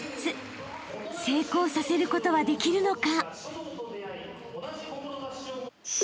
［成功させることはできるのか！？］